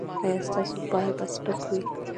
ایا ستاسو بار به سپک وي؟